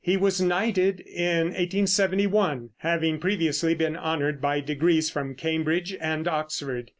He was knighted in 1871, having previously been honored by degrees from Cambridge and Oxford.